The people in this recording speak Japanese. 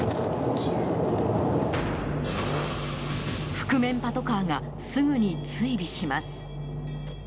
覆面パトカーがすぐに追尾します。